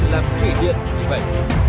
làm thủy điện như vậy